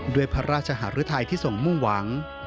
ด้วยพระราชหารุทัยที่ทรงมุ่งหวัง